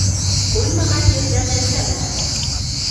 Ҡуймаған ерҙән эҙләмә.